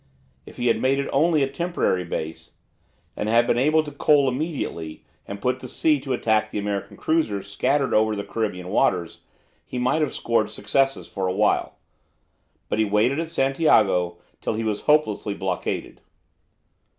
If he had made it only a temporary base, and had been able to coal immediately, and put to sea to attack the American cruisers scattered over the Caribbean waters, he might have scored successes for a while. But he waited at Santiago till he was hopelessly blockaded.